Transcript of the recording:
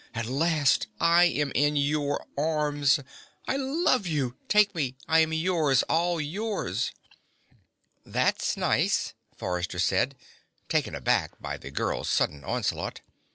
At last I am in your arms! I love you! Take me! I am yours, all yours!" "That's nice," Forrester said, taken far aback by the girl's sudden onslaught.